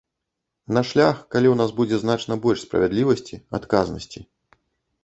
На шлях, калі ў нас будзе значна больш справядлівасці, адказнасці.